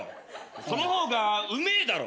その方がうめえだろ。